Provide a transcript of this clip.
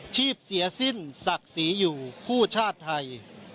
เสียสิ้นศักดิ์ศรีอยู่คู่ชาติไทย